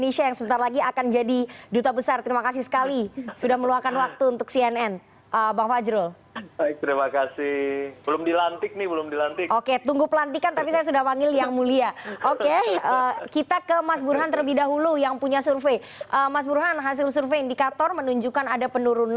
selamat sore mas fajrul